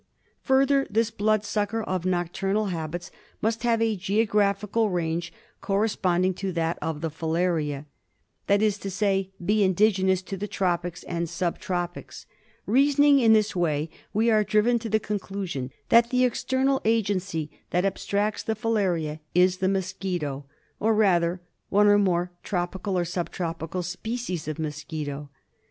Further, this blood sucker of nocturnal habits must flLARIASIS. 75 have a geographical range corresponding to thatof the filaria— that is to say, be indigenous to the tropics and sub tropics. Reasoning in this way we are driven to the conclusion that the external agency that abstracts the Blaria is the mosquito — orrather one or more tropical or sub tropical species of mosquito.